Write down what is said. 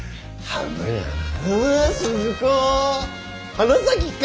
花咲か！